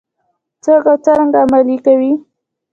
څوک او څرنګه عملي کوي؟